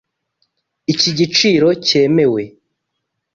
Iki giciro cyemewe?